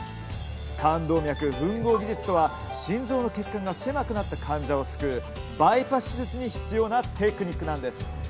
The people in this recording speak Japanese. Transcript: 冠動脈ふん合技術とは心臓の血管が狭くなった患者を救う、バイパス手術に必要なテクニックなんです。